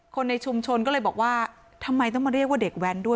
คนในชุมชนก็เลยบอกว่าทำไมต้องมาเรียกว่าเด็กแว้นด้วย